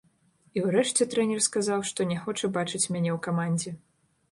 І ўрэшце трэнер сказаў, што не хоча бачыць мяне ў камандзе.